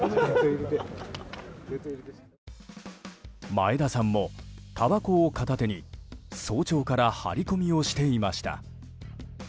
前田さんも、たばこを片手に早朝から張り込みをしていました。